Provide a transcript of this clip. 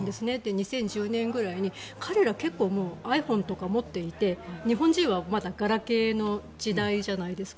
２０１０年ぐらいに彼ら結構ｉＰｈｏｎｅとか持っていて日本人はまだガラケーの時代じゃないですか。